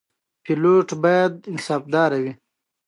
پیلوټ باید باانضباط وي.